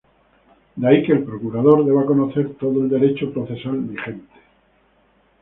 De ahí que el procurador deba conocer todo el Derecho procesal vigente.